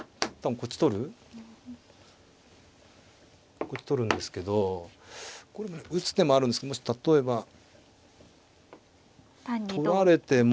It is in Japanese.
こっち取るんですけどこれね打つ手もあるんですけどもし例えば取られても。